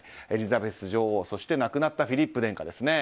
エリザベス女王そして亡くなったフィリップ殿下。